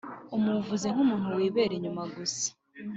umuvuze nkumuntu wirebera inyuma gusa